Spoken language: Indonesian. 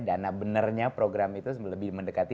dana benarnya program itu lebih mendekati